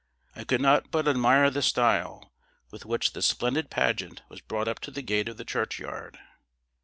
I could not but admire the style with which this splendid pageant was brought up to the gate of the churchyard.